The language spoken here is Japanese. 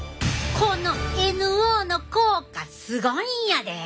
このＮＯの効果すごいんやでえ！